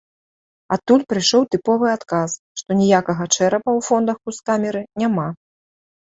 Адтуль прыйшоў тыповы адказ, што ніякага чэрапа ў фондах кунсткамеры няма.